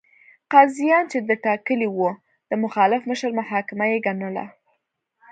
قاضیان چې ده ټاکلي وو، د مخالف مشر محاکمه یې ګڼله.